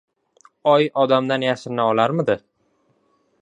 • Oy odamdan yashirina olarmidi?